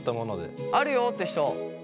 あるよって人。